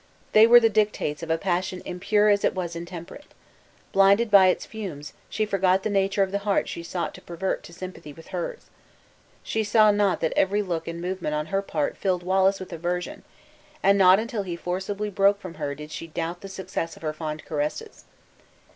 The were the dictates of a passion impure as it was intemperate. Blinded by its fumes, she forgot the nature of the heart she sought to pervert to sympathy with hers. She saw not that every look and movement on her part filled Wallace with aversion, and not until he forcibly broke from her did she doubt the success of her fond caresses.